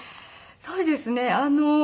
そうですね。